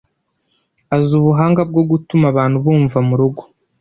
Azi ubuhanga bwo gutuma abantu bumva murugo.